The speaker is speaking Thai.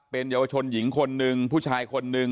เป็นเยาวชนหญิงคนหนึ่งผู้ชายคนนึง